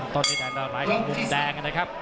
ต้นมุมแดงนะครับ